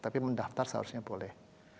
tapi mendaftar seharusnya boleh